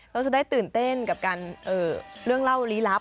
เราจะได้ตื่นเต้นกับเรื่องเล่าลี้ลับ